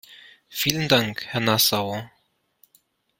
Vielen Dank, Herr Nassauer!